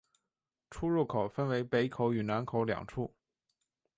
出入口分为北口与南口两处。